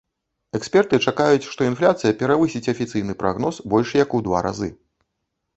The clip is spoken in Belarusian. Эксперты чакаюць, што інфляцыя перавысіць афіцыйны прагноз больш як у два разы.